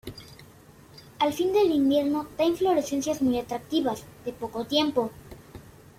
Al fin del invierno da inflorescencias muy atractivas, de poco tiempo.